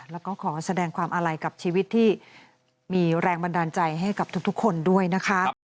แล้วก็ขอแสดงความอาลัยกับชีวิตที่มีแรงบันดาลใจให้กับทุกคนด้วยนะคะ